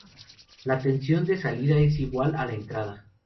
La tensión de salida es igual a la de entrada.